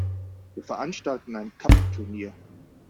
Wir veranstalten ein Kubb-Turnier.